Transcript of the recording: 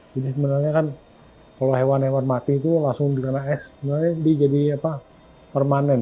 jadi sebenarnya kan kalau hewan hewan mati itu langsung dikena es jadi permanen